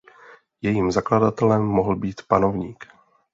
Jejím zakladatelem mohl být panovník.